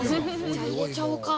◆じゃあ、入れちゃうか。